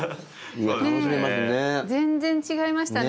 全然違いましたね。